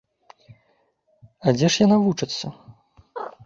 А дзе ж яна вучыцца?